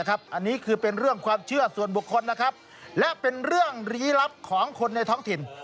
อันนี้คือเป็นเรื่องความเชื่อส่วนบุคคลนะครับและเป็นเรื่องลี้ลับของคนในท้องถิ่น